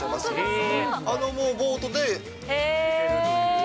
あのボートで。